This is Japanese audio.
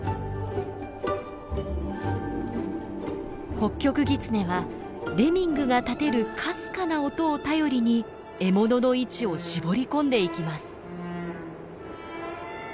ホッキョクギツネはレミングが立てるかすかな音を頼りに獲物の位置を絞り込んでいきます。